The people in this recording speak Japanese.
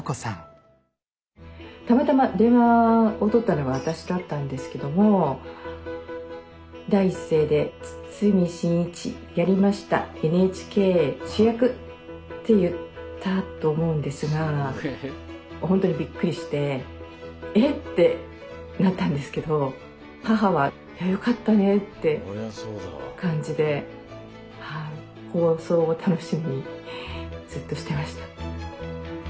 たまたま電話をとったのは私だったんですけども第一声で「堤真一やりましたＮＨＫ主役！」って言ったと思うんですがほんとにびっくりしてえってなったんですけど母はよかったねって感じで放送を楽しみにずっとしてました。